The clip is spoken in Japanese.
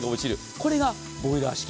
これがボイラー式。